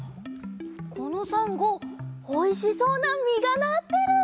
このサンゴおいしそうなみがなってる！